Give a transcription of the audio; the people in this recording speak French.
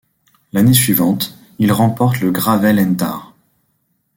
L'année suivante, il remporte la Gravel and Tar.